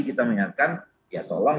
kita mengingatkan ya tolong